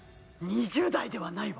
２０代ではないわ